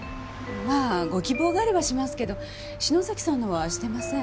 まあご希望があればしますけど篠崎さんのはしてません。